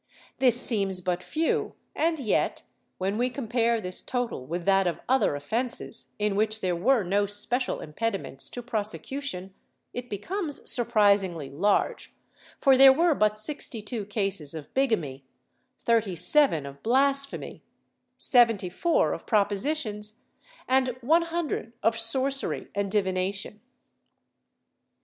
This seems but few and yet, when we compare this total with that of other offences, in which there were no special impedi ments to prosecution, it becomes surprisingly large, for there were but sixty two cases of bigamy, thirty seven of blasphemy, seventy four of propositions and one hundred of sorcery and divination.